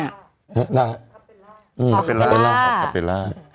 ครับเปล่าครับเปล่าครับเปล่าครับเปล่าครับเปล่า